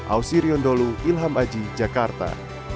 ausirion dholu ilham aji jakarta